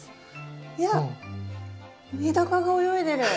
いやっメダカが泳いでる。